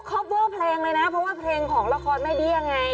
เขาคอเวิร์ดเพลงเลยนะเพราะว่าเพลงของละครแม่ดี้ยังไง